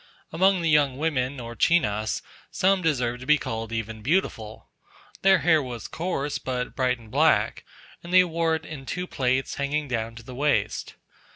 Among the young women or chinas, some deserve to be called even beautiful. Their hair was coarse, but bright and black; and they wore it in two plaits hanging down to the waist.